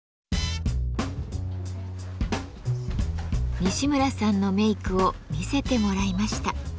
西村さんのメークを見せてもらいました。